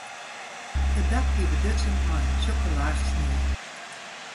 It dak wie bedutsen mei in tsjokke laach snie.